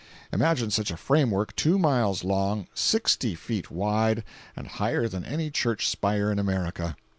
Imagine such a framework two miles long, sixty feet wide, and higher than any church spire in America.